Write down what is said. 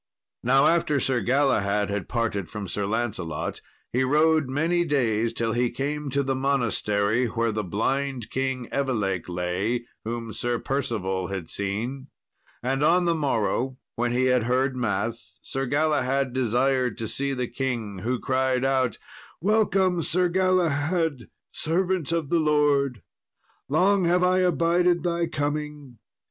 Now after Sir Galahad had parted from Sir Lancelot, he rode many days, till he came to the monastery where the blind King Evelake lay, whom Sir Percival had seen. And on the morrow, when he had heard mass, Sir Galahad desired to see the king, who cried out, "Welcome, Sir Galahad, servant of the Lord! long have I abided thy coming.